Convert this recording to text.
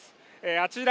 あちら